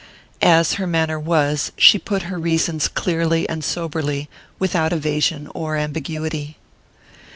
As her manner was, she put her reasons clearly and soberly, without evasion or ambiguity.